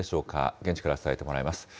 現地から伝えてもらいます。